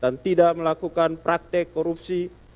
dan tidak melakukan praktek korupsi